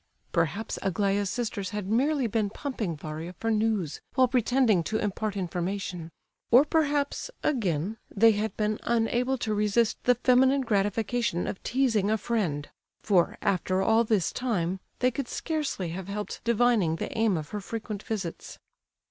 Perhaps Aglaya's sisters had merely been pumping Varia for news while pretending to impart information; or perhaps, again, they had been unable to resist the feminine gratification of teasing a friend—for, after all this time, they could scarcely have helped divining the aim of her frequent visits.